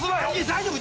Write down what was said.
大丈夫！